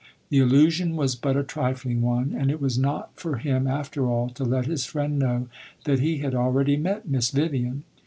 The illusion was but a trifling one, and it was not for him, after all, to let his friend know that he had already met Miss Vivian.